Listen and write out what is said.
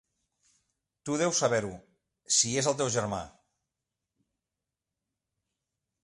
Tu deus saber-ho, si és el teu germà.